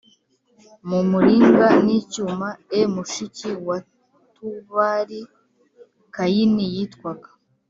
mu muringa n icyuma e Mushiki wa Tubali Kayini yitwaga